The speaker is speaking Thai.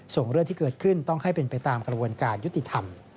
ส่งเรื่องที่เกิดขึ้นต้องให้เป็นไปตามกระบวนการยุติธรรม